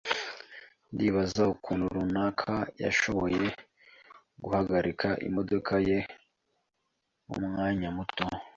Ndibaza ukuntu rukara yashoboye guhagarika imodoka ye mumwanya muto .